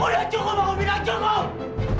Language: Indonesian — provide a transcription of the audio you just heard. udah cukup aku bilang cukup